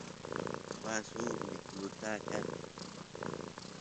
waa suk mikiluta qaan